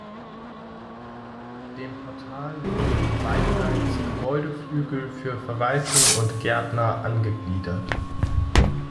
Dem Portal wurden beidseits Gebäudeflügel für Verwaltung und Gärtner angegliedert.